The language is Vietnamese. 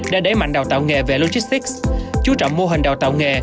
đã đẩy mạnh đào tạo nghề về logistics chú trọng mô hình đào tạo nghề